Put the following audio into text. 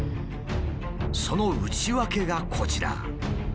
その内訳がこちら。